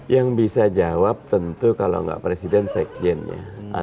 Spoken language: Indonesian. yang bisa jawab tentu kalau enggak presiden sekjen ya